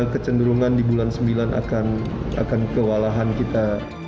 kecenderungan di bulan sembilan akan kewalahan kita